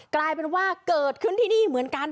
กลายเป็นว่าเกิดขึ้นที่นี่เหมือนกัน